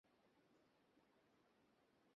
তুমি ল্যাপ্রেকন নও!